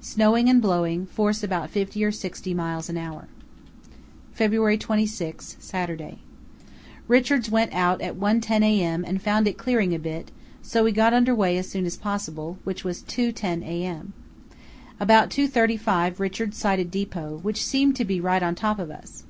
Snowing and blowing, force about fifty or sixty miles an hour. "February 26, Saturday.—Richards went out 1.10 a.m. and found it clearing a bit, so we got under way as soon as possible, which was 2.10 a.m. About 2.35 Richards sighted depot, which seemed to be right on top of us.